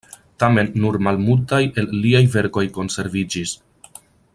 Tamen nur malmultaj el liaj verkoj konserviĝis.